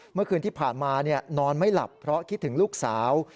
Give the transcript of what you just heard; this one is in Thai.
เมื่อคืนที่ผ่านมานอนไม่หลับเพราะคิดถึงลูกสาว